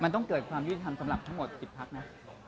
มันต้องเกิดความยุติธรรมสำหรับทั้งหมด๑๐พักนะ